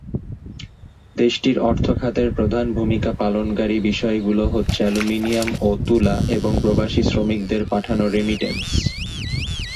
দেশটির অর্থ খাতের প্রধান ভূমিকা পালনকারী বিষয়গুলো হচ্ছে অ্যালুমিনিয়াম ও তুলা এবং প্রবাসী শ্রমিকদের পাঠানো রেমিট্যান্স।